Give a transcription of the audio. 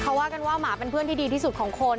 เขาว่ากันว่าหมาเป็นเพื่อนที่ดีที่สุดของคน